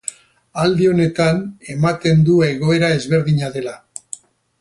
Aldi honetan, ematen du egoera ezberdina dela.